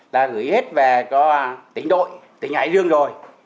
là gửi hết về cho tỉnh đội tỉnh hải dương rồi